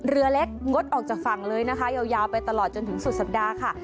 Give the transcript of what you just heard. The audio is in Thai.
เรือเล็กงดออกจากฝั่งเลยนะคะยาวไปตลอดจนถึงสุดสัปดาห์ค่ะ